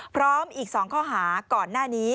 พร้อมอีก๒ข้อหาก่อนหน้านี้